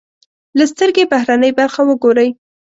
د سترکې بهرنۍ برخه و ګورئ.